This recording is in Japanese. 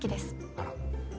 あら。